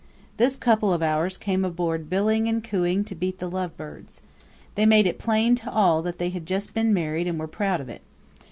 This couple of ours came aboard billing and cooing to beat the lovebirds. They made it plain to all that they had just been married and were proud of it.